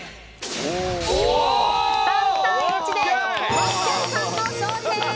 ３対１でわっきゃいさんの勝利です！